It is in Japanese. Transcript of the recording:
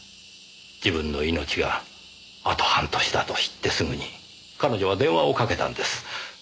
自分の命があと半年だと知ってすぐに彼女は電話をかけたんです。